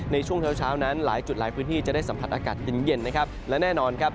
ในช่วงเท้านั้นหลายจุดหลายพื้นที่จะได้สัมผัสอากาศเย็นนะครับ